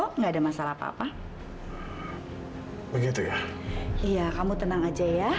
dan gimana semua yang kamu punya